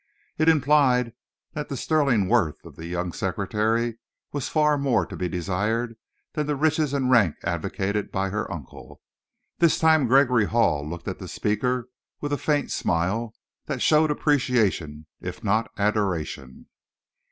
It implied that the sterling worth of the young secretary was far more to be desired than the riches and rank advocated by her uncle. This time Gregory Hall looked at the speaker with a faint smile, that showed appreciation, if not adoration.